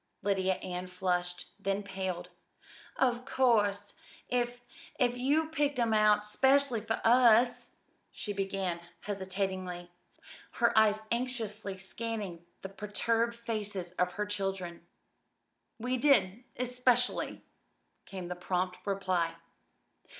Lydia Ann flushed, then paled. "Of course, if if you picked 'em out 'specially for us " she began hesitatingly, her eyes anxiously scanning the perturbed faces of her children. "We did especially," came the prompt reply.